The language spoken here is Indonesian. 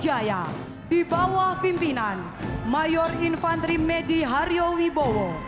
maul afrikanavy propagansinya secara mental bringing mengetahui bahwa